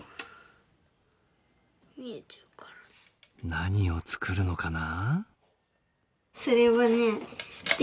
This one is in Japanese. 何を作るのかな？